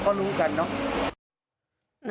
ก็รู้กันเนอะ